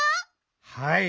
はい。